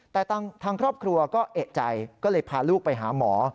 แต่ทางครอบครัวก็เอกใจก็เลยพาลูกไปหาหมอ